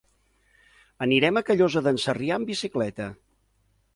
Anirem a Callosa d'en Sarrià amb bicicleta.